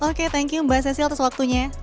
oke thank you mbak sesi atas waktunya